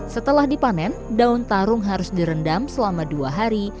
setelah dipanen daun tarung harus direndam selama dua hari